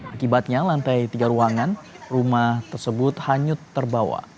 akibatnya lantai tiga ruangan rumah tersebut hanyut terbawa